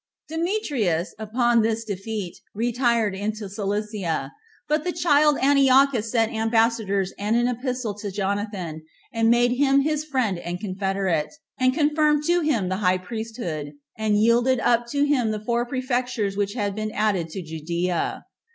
4. Demetrius, upon this defeat, retired into Cilicia; but the child Antiochus sent ambassadors and an epistle to Jonathan, and made him his friend and confederate, and confirmed to him the high priesthood, and yielded up to him the four prefectures which had been added to Judea.